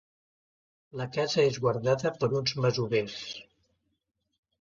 La casa és guardada per uns masovers.